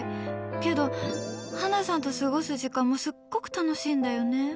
けど、ハナさんと過ごす時間もすごく楽しいんだよね。